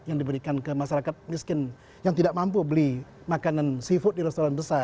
yang diberikan ke masyarakat miskin yang tidak mampu beli makanan seafood di restoran besar